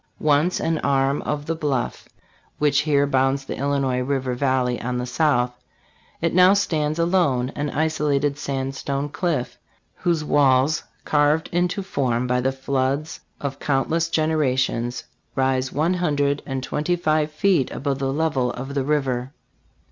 Once an arm of the bluff, which here bounds the Illinois river vallay on the south, it now stands alone, an isolated sandstone cliff, whose walls, carved into form by the floods of countless generations, rise one hundred and twen ty five feet above the level of the river.